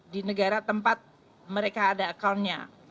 di negara tempat mereka ada accountnya